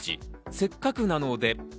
せっかくなので。